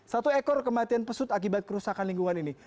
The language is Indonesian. satu ekor kematian pesut akibat kerusakan lingkungan ini